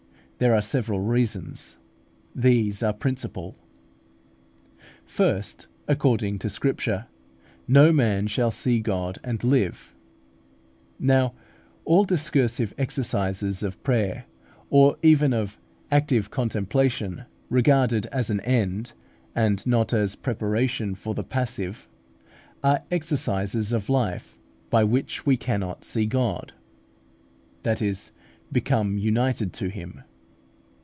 There are several reasons. These are the principal. First, according to Scripture, "No man shall see God and live" (Exod. xxxiii. 20). Now all discursive exercises of prayer, or even of active contemplation, regarded as an end, and not as a preparation for the passive, are exercises of life by which we cannot see God, that is, become united to Him.